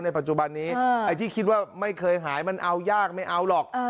ปัจจุบันนี้ไอ้ที่คิดว่าไม่เคยหายมันเอายากไม่เอาหรอก